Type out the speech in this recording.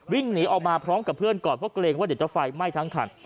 วิ่งหนีออกมาพร้อมกับเพื่อนก่อนเพราะเกรงว่าเดี๋ยวจะไฟไหม้ทั้งคัน